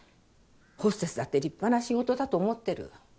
ホステスだって立派な仕事だと思ってる。